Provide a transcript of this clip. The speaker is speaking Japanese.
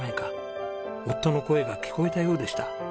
夫の声が聞こえたようでした。